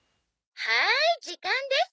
「はい時間です。